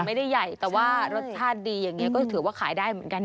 ไม่ได้ใหญ่แต่ว่ารสชาติดีอย่างนี้ก็ถือว่าขายได้เหมือนกัน